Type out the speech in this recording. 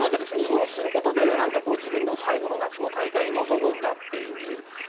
そうすることで自分の最後の夏の大会に臨むんだという。